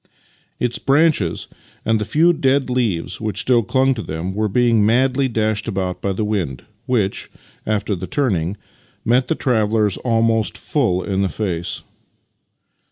Its branches and the few dead leaves which still clung to them were being madly dashed about by the wind, which, after the turning, met the travellers almost full in the face.